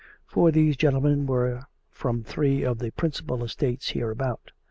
For these gentlemen were from three of the principal estates here about.